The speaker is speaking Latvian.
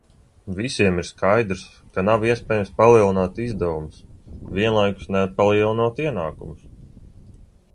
Visiem ir skaidrs, ka nav iespējams palielināt izdevumus, vienlaikus nepalielinot ienākumus.